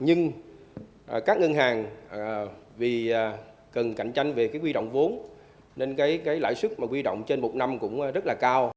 nhưng các ngân hàng vì cần cạnh tranh về quy động vốn nên lãi suất quy động trên một năm cũng rất là cao